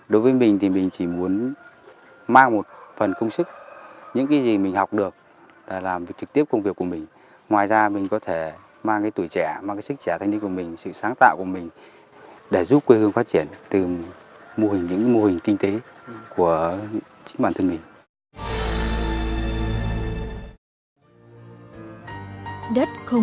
đối với mình thì mình chỉ muốn mang một phần công sức những cái gì mình học được để làm việc trực tiếp công việc của mình ngoài ra mình có thể mang cái tuổi trẻ mang cái sức trẻ thanh niên của mình sự sáng tạo của mình để giúp quê hương phát triển từ những mô hình kinh tế của chính bản thân mình